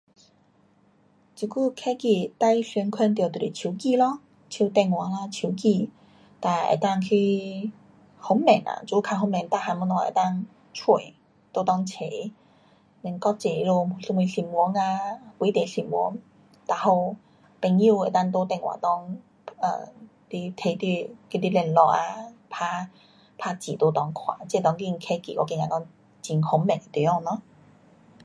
这久科技最常看到就是手机电话咯，手电话咯手机，哒能够去方便呐，做方便每样东西都能够找，在内查，then 国际那里有什么新闻啊，本地新闻，哒还有朋友能够在电话里，啊，给你，给你联络啊，打字在内看，这当今科技我觉得讲很方便的地方咯。